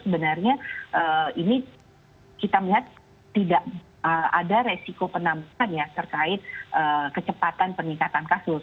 sebenarnya ini kita melihat tidak ada resiko penampungan ya terkait kecepatan peningkatan kasus